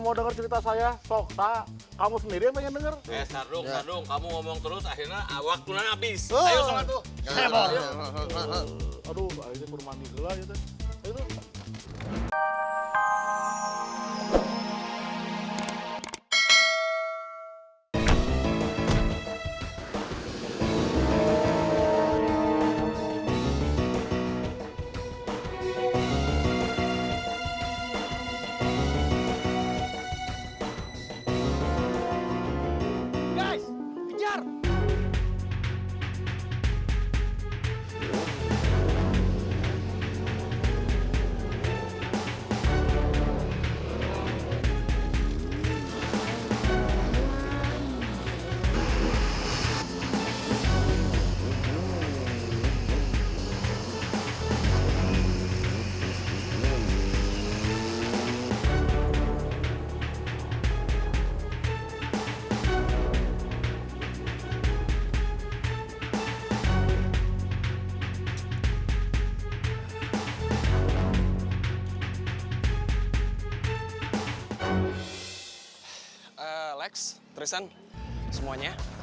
mau denger cerita saya sok tak kamu sendiri pengen denger kamu ngomong terus akhirnya